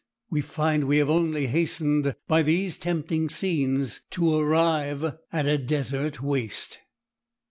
we find we have only hastened by these tempting scenes to arrive at a desert waste.